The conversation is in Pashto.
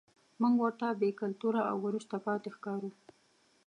موږ ورته بې کلتوره او وروسته پاتې ښکارو.